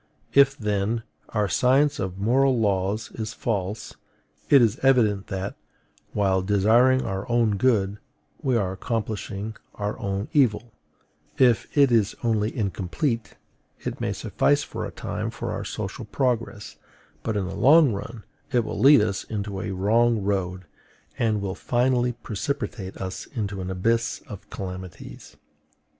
If, then, our science of moral laws is false, it is evident that, while desiring our own good, we are accomplishing our own evil; if it is only incomplete, it may suffice for a time for our social progress, but in the long run it will lead us into a wrong road, and will finally precipitate us into an abyss of calamities.